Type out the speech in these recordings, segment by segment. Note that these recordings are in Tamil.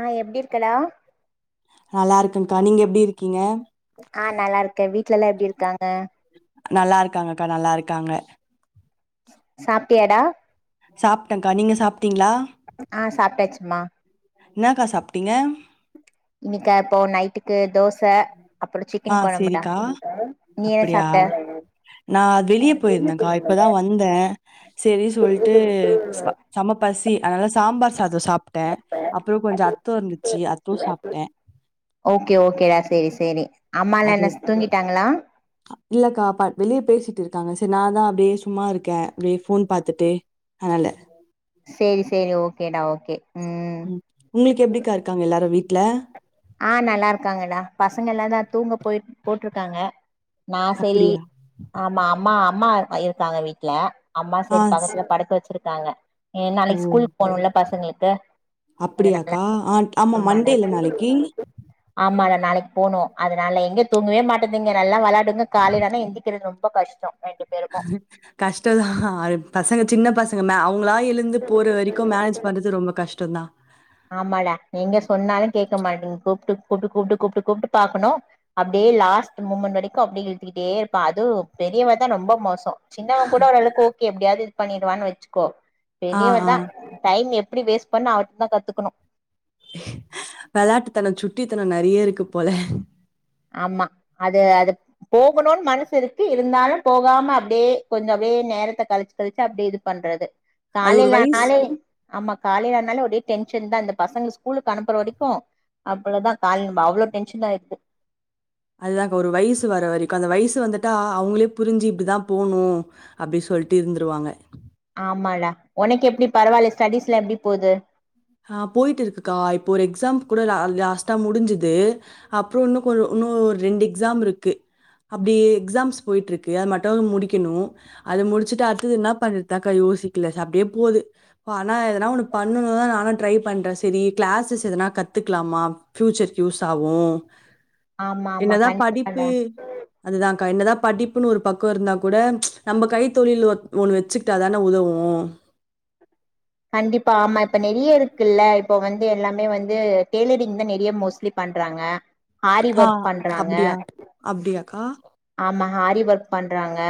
ஆஹ் எப்டி க்கலா நல்லா இருக்கங்கா நீங்க எப்படி இருக்கீங்க வீட்லல்லா எப்படி இருக்காங்க நல்லா இருக்காங்க அக்கா நல்லா இருக்காங்க சாப்பிட்டியாடா சாப்டங்கா நீங்க சாப்ட்டீங்ளா ஆஹ் சாப்ட்டாச்சுமா என்னக்கா சாப்ட்டீங்க இன்னிக்க இப்போ நைட்டுக்கு தோசை ஆஹ் சேரிக்கா. நீ என்ன அப்பிடியா சாப்ட்ட நா வெளிய போயிருந்தங்க்கா இப்பதா வந்த சேரி சொல்ட்டு செமப்பச் சி அதனால சாம்பார் சாதோ சாப் அத்தம் சாப்பிட்டேன் ஓகே ஓகேடா சேரி சேரி அம்மாலா அது என்ன தூங்கிட்டாங்களா இல்லக்கா வெளிய பேசிட்டு இருக்காங்க. சரி நா தா அப்டியே சும்மா இருக்க. அப்டியே ஃபோன் பாத்துட்டு அனால சேரி சேரி ஓகேடா ஓகே. ம் உம் உங்ளுக்கு எப்படிக்கா இருக்காங்க எல்லாரு வீட் ட்ல ஆஹ் நல்லா இருக்காங்கடா பசங்க எல்லாதா தூங்க போய் போட்ருக்காங்க. நான் சேரி அப்படியா ஆமா அம்மா அம்மா இருக்காங்க வீட்ல. அம்மா ஆ செரி ஸ்- பக்கத்துல படுக்க வச்சுருக் க்காங்க இனி நாளைக்கு ஸ்கூல் போகுல பசங்களுக் ப அப்பிடியாக்கா ஆமா மண்டேல்ல நாளைக்கு? ஆமாடா நாளைக்கு போனு. அதனால எங்க தூங்கவே மாட்டீதுங்க. நல்லா வெளாட் டுங்க காலேலான எந்திக்கிறது ரொம்ப கஷ்டோ ரெண்டு பேருக்கு கஷ்டந்தா அத் பசங்க சின்ன பசங்கனா அவ் வ்ங்களா எழுந்து போற வரைக்கு மேனேஜ் பண்றது ரொம்போ கஷ்டோதா. ஆமாடா எங்க சொன்னாலு கேட்க மாட்டீங் கூப்ட்டு கூப்ட்டு கூப்ட்டு கூப்ட்டு கூப்பட்டு பாக்கணு. அப்டியே லாஸ்ட் மூமெண்ட் வரைக்கு அப்டி இழுட்டுக்கிட்டே இருப்பா. அது பெரியவதா ரொம்போ மோசோ. சின்னவன் கூட ஓரளவுக்ஒகே எப்டியாது இது பண்ணிடுவேன்னு வெச்சுக்கோ. ஆ, ஆ. பெரியவதா டைம் எட் எப்டி வேஸ்ட் பண்ணு அவட்டதா கத்துக் கணு வெளாட்டுத்தனோ சுட்டித்தனோ நெறைய இருக்கு போல ஆமா அது அது போகணூன் மனசு இருக்கு இருந்தாலு போகாம அப்டியே கொஞ்சோ அப்டியே நேரத்த கழிச்சு கழிச்சு அப்டியே இது பண்றது. அது ஒரு வயசு காலேலனாலே ஆமா காலேலனாலே அப்டியே டென்ஷன்தா இந்த பசங்க ஸ்கூலுக்கு அனுப்புற வரைக்கு அவ்ளோதா காலேல நம்ம அவ்ளோ டென்ஷன் ஆயிருது அதுதாக்கா ஒரு வயசு வர வரைக்கு அந்த வயசு வந்துட்டா அவங்களே புரிஞ்சு இப்படிதா போணு அப்டி சொல்ட்டு இருந்துருவாங்க. ஆமாடா உனக்கு எப்டி பரவாயில்ல ஸ்டடீஸ்லா எப்டி போது? ஆ லாஸ்டா முடிஞ்சுது அப்றோ இன்னுகொஞ்சோ ம் ரெண்டு எக்ஸாம் இருக்கு. அப்டியே எக்ஸாம்ஸ் போயிட்ருக்கு. அதமட்டு முடிக்கணு. அது முடிச்சட்டு அடுத்தது என்ன பன்றதுதாக்கா யோசிக்கல அப்டியே போது ஆன எதனா ஒன்னு பண்ணணு. நா த ட்ரை பண்ற செரி கிளாஸஸ் எதனா கத்துக்லாமா ஃபியூச்சர்க்கு யூஸ் ஆவூ. ஆமா ஆமா என்னதா படிப்பு கண்டிப்பாடா அதுதான்க்கா என்னதா படிப்புன்னு ஒரு பக்க இருந்தா கூட ச் நம்ம கைத்தொழில் ஒண்ணு வச்சுக்கிட்டாதான உதவு கண்டிப்பா ஆமா இப்ப நெறைய இருக்குல்ல இப்ப வந்து எல்லாமே வந்து டெய்லரிங் தா நெறைய மோஸ்ட்லி பண்றாங்க ஆரி ஆ. ஒர்க் பண்றாங்க அப்படியா? அப்படியாக்கா? ஆமா ஆரி பண்றாங்க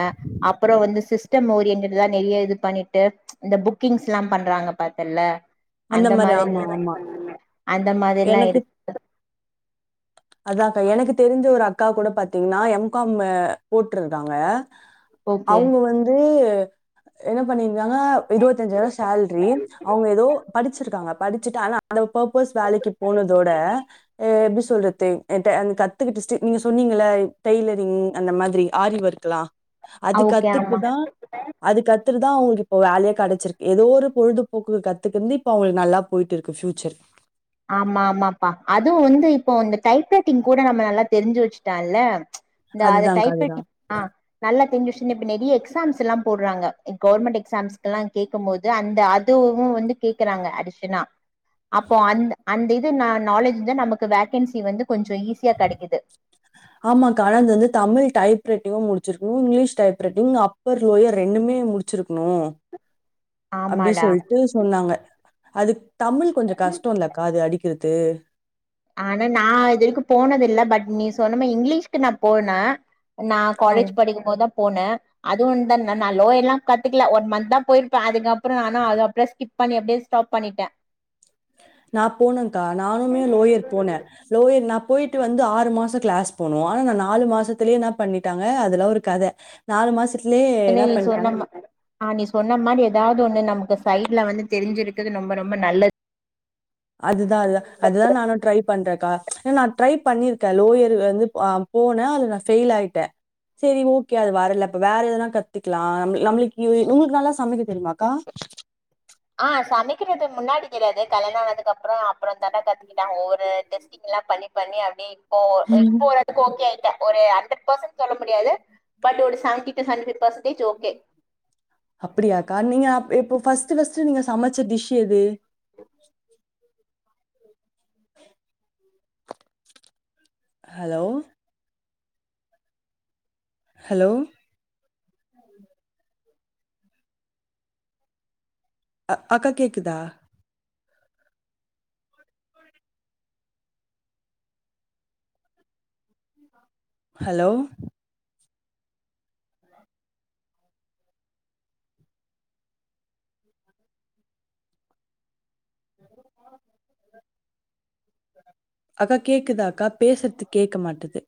அப்புற வந்து சிஸ் டம் ஓரியண்ட்டா தா நெறைய இது பண்ணிட்டு இந்த புக்கிங்ஸ்ல்லா பண்றாங்க பாத்தல்ல அந்த மாரி ஆமா, மாதிரிதே ஆமா. அந்த மாதிரில்லா இருக் அதாக்கா எனக்கு தெரிஞ்ச ஒரு அக்கா கூட பாத்தீங்ன்னா எம் காம் போட்டுருக்காங்க ஓகே அவுங்க வந்து என்ன பண்ணிருந்தாங்க இருபத்தஞ்சாயிரோ சேல்ரி அவங்க ஏதோ படிச்சிருக்காங்க படிச்சுட்டு ஆனா அந்த பர்பஸ் வேலைக்கு போனதோட எப்புடி சொல்றது கத்து என்டே அந்த கத்துக்கிட்டு நீங்க சொன்னீங்கள்ளே டெய்லரிங் அந்த மாதிரி ஆரி ஒர்க்லா அது ஓகே ஆமா கத்துக்குதா அது கத் கத்துட்டுதா அவங்களுக்கு இப்ப வேலேயே கிடைச்சிருக்கு ஏதோ ஒரு பொழுதுபோக்குக்கு கத்துகுந்து இப்ப அவங்களுக்கு நல்லா போயிட்டுருக்கு பியூச்சர் ஆமா ஆமாப்பா அதுவு வந்து இப்போ இந்த டைப் ரைட்டிங் கூட நம்ம நல்லா தெரிஞ்சு வச்சுகிட்டால்ல இந்த அத அதுதான்க்கா டைப் அதுதான். ரைட்டிங் ஆ நல்லா தெரிஞ்சு வச்சுன்னா இப்ப நெறைய எக்ஸாம்சில்ல போடுறாங்க கவர்மென்ட் எக்ஸாம்ஸ்கெல்லா கேட்கபோது அந்த அதுவு வந்து கேட்குறாக அடிஸ்சனா அப்போ அந்த அந்த இது ந நாலேஜ்ந்தா நமக்கு வேக்கன்சி வந்து கொஞ்ச ஈஸியா கிடைக்குது ஆமாக்கா ஆனா இந்தவந்து தமிழ் டைப் ரைட்டிங்கு முடிச்சிருக்குணு English type writing upper lower ரெண்டுமே முடிச்சிருக்குணு அப்புடி ஆமாடா சொல்லிட்டு சொன்னாங்க அதுக் தமிழ் கொஞ்ச கஷ்டோல்லக்கா அது அடிக்கிறது து ஆனா நா இதுவரைக்கு போனது இல்லே பட் நீ சொன்னமாரி இங்கிலீஷ்க்கு நா போன நா ஆமா. காலேஜ் படிக்கு போதுத போனே அதுவு த நா நா லோயர் ல்லா கத்துக்கல ஒன் மன்த்த போயிருப்பே அதுக்கப்பற நானு அது அப்பற ஸ்கிப் பண்ணி அப்புடியே ஸ்டாப் பண்ணிட்டே நா போனன்கா நானுமே லோயர் போனே லோயர் நா போயிட்டு வந்து ஆறு மாச கிளாஸ் போனு ஆனா நா நாலு மாசத்துலயே என்ன பண்ணிட்டாங்க அதெல்லா ஒரு கத நாலு மாசத் என்ன நீ சொன்னமாரி ஆ நீ சொன்ன மாரி ஏதாவது ந்துவுனே நமக்கு சைடுல வந்து தெரிஞ்சிருக்கது ரொம்ப ரொம்ப நல்லது பண்றக்கா ஏ நா ட்ரை பண்ணிருக்கே லோயர் வந்து ஆ போனே அது நா ஃபெயில் ஆயிட்டே சேரி ஓகே அது வரல அப்ப வேற எதனா கத்துக்லா நம்மளு நம்மளுக்கு யூ உங்களுக்கு நல்லா சமைக்க தெரியுமாக்கா ஆ சமைக்கிறது முன்னாடி தெரியாது கல்யாண ஆனதுக்கப்புறோ அப்பறா தாண்ட கத்துக்கிட்டே ஒவ்வொரு டெஸ்டிங்லா பண்ணி பண்ணி அப்புடி ஓ இப்போ ஒருடதுக்கு ஓகே ஆயிட்டே ஒரு அன்ட பர்சன் சொல்ல முடியாது பட் ஒரு seventy to seventy five percentage okay அப்பிடியாக்கா நீங்க அப் எப்போ ஃபஸ்ட் ஃபஸ்டு நீங்க சமச்ச டிஷ் எது [inaudible] ஹலோ ஹலோ அக்கா கேக்குதா ஹலோ [inaudible] அக்கா கேக்குதா அக்கா பேசுறது கேக்க மாட்டது